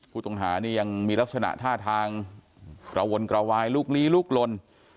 ผู้ต้องหานี่ยังมีลักษณะท่าทางกระวนกระวายลุกลี้ลุกลน